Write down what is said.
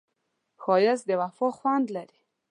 ښایست د وفا خوند لري